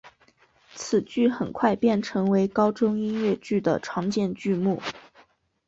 此剧很快便成为高中音乐剧的常见剧目。